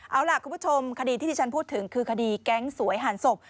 เอาล่ะคุณผู้ชมคดีที่ที่ฉันพูดถึงคือคดีแก๊งสวยหันศพ